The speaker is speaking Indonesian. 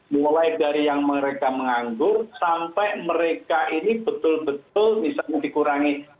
mulai dari yang mereka menganggur sampai mereka ini betul betul misalnya dikurangi